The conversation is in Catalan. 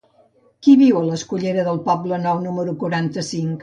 Qui viu a la escullera del Poblenou número quaranta-cinc?